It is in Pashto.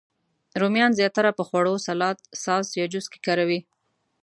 رومیان زیاتره په خوړو، سالاد، ساس، یا جوس کې کاروي